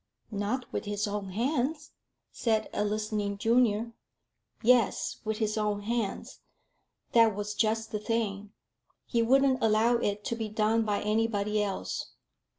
"Not with his own hands," said a listening junior. "Yes; with his own hands. That was just the thing. He wouldn't allow it to be done by anybody else."